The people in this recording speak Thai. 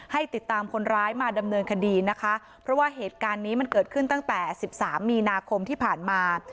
ให้ติดตามคนร้ายมาดำเนินคดีนะคะเพราะว่าเหตุการณ์นี้มันเกิดขึ้นตั้งแต่สิบสามมีนาคมที่ผ่านมา